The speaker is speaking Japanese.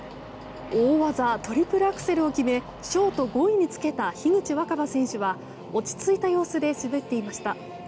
大技トリプルアクセルを決めショート５位につけた樋口新葉選手は落ち着いた様子で滑っていました。